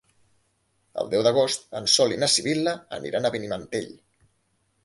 El deu d'agost en Sol i na Sibil·la aniran a Benimantell.